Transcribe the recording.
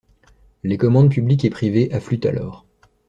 Les commandes publiques et privées affluent alors.